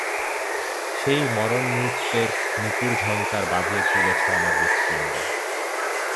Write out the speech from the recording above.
সেই মরণনৃত্যের নূপুর-ঝংকার বাজিয়ে তুলেছ আমার হৃৎপিণ্ডে।